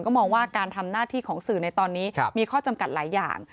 มองว่าการทำหน้าที่ของสื่อในตอนนี้มีข้อจำกัดหลายอย่าง